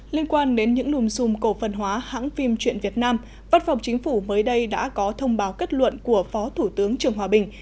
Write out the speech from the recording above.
liên quan đến những lùm xùm cổ phần hóa hãng phim truyện việt nam văn phòng chính phủ mới đây đã có thông báo kết luận của phó thủ tướng trường hòa bình